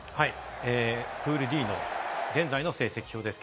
プールＤの現在の成績表です。